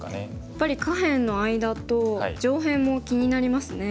やっぱり下辺の間と上辺も気になりますね。